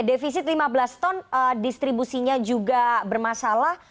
defisit lima belas ton distribusinya juga bermasalah